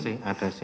masih ada siani